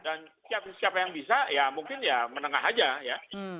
dan siapa yang bisa ya mungkin ya menengah saja ya